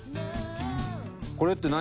これって何？